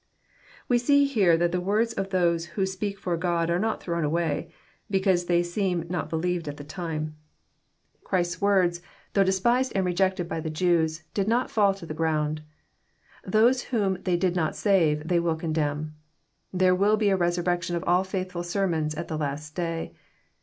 "We see here that the words of those who speak for God are not thrown away, because they seem not believed at the time. 880 EXPOSITORY THOUGHTS. Christ's words, though despised and rejected by the Jews, did not fall to the ground. Those whom they did not save they will condemn. There will be a resurrection of all faithfbl sermona at the last day.